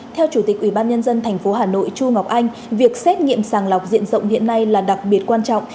theo chủ tịch ubnd tp hà nội chu ngọc anh việc xét nghiệm sàng lọc diện rộng hiện nay là đặc biệt quan trọng